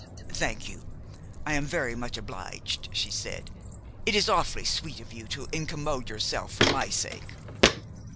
"Thank you. I am very much obliged," she said. "It is awfully sweet of you to incommode yourself for my sake."